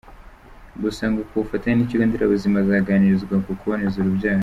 Gusa ngo k’ubufatanye n’ikigo nderabuzima azaganirizwa ku kuboneza urubyaro.